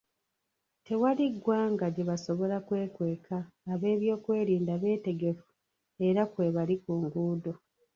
Tewali ggwanga gye basobola kwekweka, ab’ebyokwerinda beetegefu era kwebali ku nguudo.